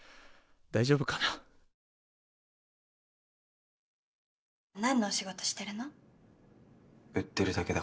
大丈夫かな。何のお仕事してるの？